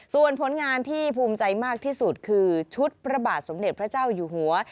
ส่วนผลงานที่ภูมิใจมากที่สุดคือชุดพระบาทสมเด็จพระเจ้าอยู่หัว